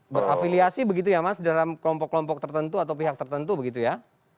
berafiliasi begitu ya mas dalam kelompok kelompok tertentu atau pihak tertentu begitu ya